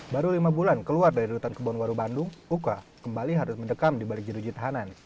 baru lima bulan keluar dari rutan kebonwaru bandung uka kembali harus mendekam di balik jeruji tahanan